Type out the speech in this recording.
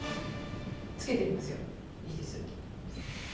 ◆つけてみますよ、いいです？